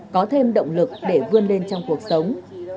có thêm động lực để vươn lên trong cuộc sống